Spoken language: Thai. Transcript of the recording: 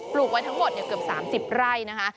ลูกไว้ทั้งหมดเกือบ๓๐ไร่นะคะ